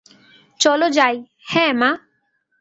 চলো যাই, - হ্যাঁ মা।